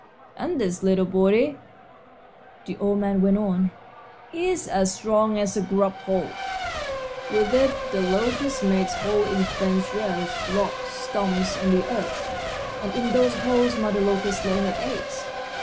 "And this little body," the old man went on, "is as strong as a grub hoe. With it the locust makes holes in fence rails, logs, stumps, and the earth, and in those holes mother locust lays her eggs.